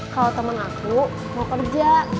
kalau temen aku mau kerja